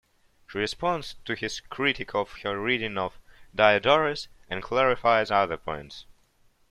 She responds to his critique of her reading of Diodorus and clarifies other points.